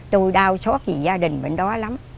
tù đau xót vì gia đình mình đó lắm